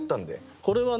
これはね